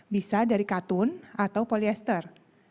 bisa dari katun atau polyester